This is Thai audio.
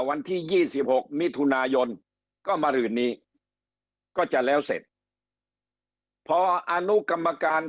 วันที่๒๖มิถุนายนก็มารื่นนี้ก็จะแล้วเสร็จพออนุกรรมการ